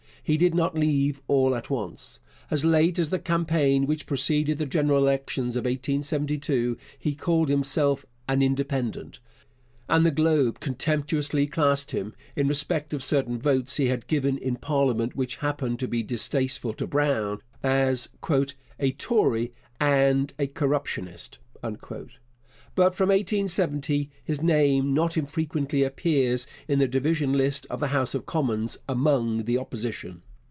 He did not leave all at once. As late as the campaign which preceded the general elections of 1872 he called himself an 'Independent,' and the Globe contemptuously classed him, in respect of certain votes he had given in parliament which happened to be distasteful to Brown, as 'a Tory and a corruptionist.' But from 1870 his name not infrequently appears in the division list of the House of Commons among the Opposition.